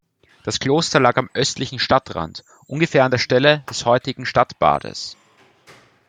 Das Kloster lag am östlichen Stadtrand, ungefähr an der Stelle des heutigen Stadtbades.